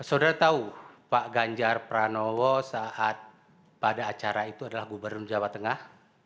saudara tahu pak ganjar pranowo saat pada acara itu adalah gubernur jawa tengah